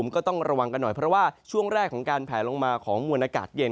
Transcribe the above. ก็ต้องระวังกันหน่อยเพราะว่าช่วงแรกของการแผลลงมาของมวลอากาศเย็น